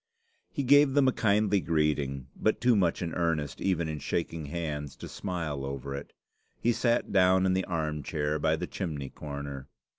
He gave them a kindly greeting, but too much in earnest even in shaking hands to smile over it. He sat down in the arm chair by the chimney corner.